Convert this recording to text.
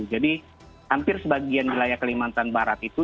jadi hampir sebagian wilayah kalimantan barat itu